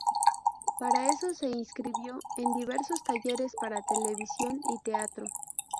Para eso se inscribió en diversos talleres para televisión y teatro.